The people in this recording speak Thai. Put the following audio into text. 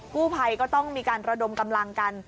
กู้ภัยก็ต้องมีการระดมกำลังกัน